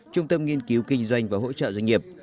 trung tâm nghiên cứu kinh doanh và hỗ trợ doanh nghiệp